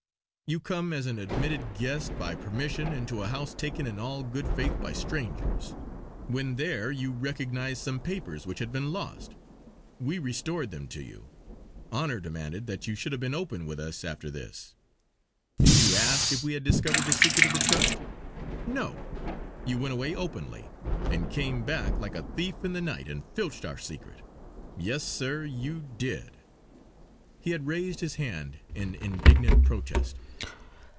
You come as an admitted guest, by permission, into a house taken in all good faith by strangers. When there you recognised some papers which had been lost. We restored them to you. Honour demanded that you should have been open with us after this. Did you ask if we had discovered the secret of the trust? No! You went away openly; and came back like a thief in the night and filched our secret. Yes sir, you did!" He had raised his hand in indignant protest.